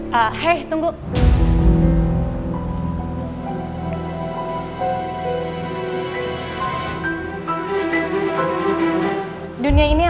bisa gak jadi lu